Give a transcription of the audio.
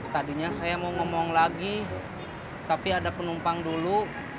tadinya saya mau ngomong lagi tapi ada penumpang dulu